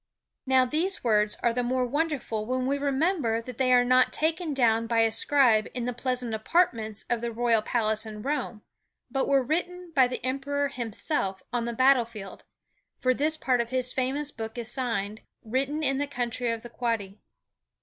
Now these words are the more wonderful when we remember that they were not taken down by a scribe in the pleasant apartments of the royal palace in Rome, but were written by the Emperor himself on the battlefield; for this part of his famous book is signed: "Written in the country of the Quadi."